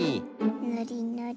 ぬりぬり。